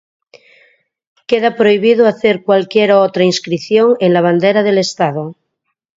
Queda prohibido hacer cualquiera otra inscripción en la Bandera del Estado.